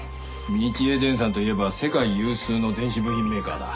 日栄電産といえば世界有数の電子部品メーカーだ。